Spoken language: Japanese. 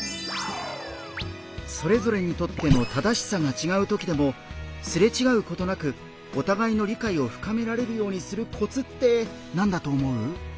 それぞれにとっての「正しさ」がちがうときでもすれちがうことなくお互いの理解を深められるようにするコツって何だと思う？